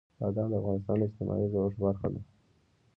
بادام د افغانستان د اجتماعي جوړښت برخه ده.